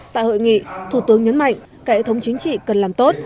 tại hội nghị thủ tướng nhấn mạnh cả hệ thống chính trị cần làm tốt